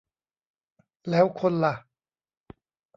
แล้วคนล่ะ